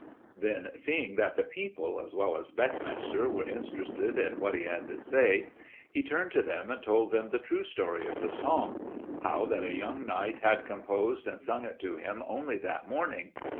Then seeing that the people, as well as Beckmesser, were interested in what he had to say, he turned to them and told them the true history of the song—how that a young knight had composed and sung it to him only that morning.